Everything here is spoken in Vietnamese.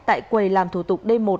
tại quầy làm thủ tục đêm một